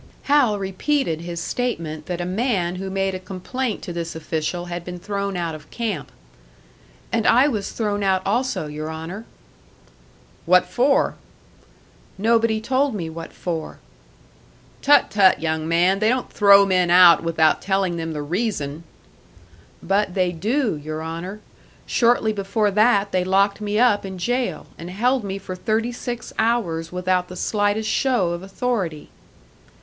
Hal repeated his statement that a man who made a complaint to this official had been thrown out of camp. "And I was thrown out also, your Honour." "What for?" "Nobody told me what for." "Tut, tut, young man! They don't throw men out without telling them the reason!" "But they do, your Honour! Shortly before that they locked me up in jail, and held me for thirty six hours without the slightest show of authority."